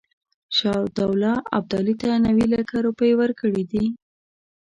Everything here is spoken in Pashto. شجاع الدوله ابدالي ته نیوي لکه روپۍ ورکړي دي.